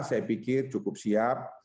saya pikir cukup siap